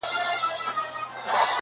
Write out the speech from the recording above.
ځان کي مهوه سمه کله چي ځان وینم-